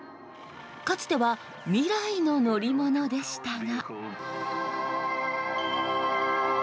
かつては未来の乗り物でしたが。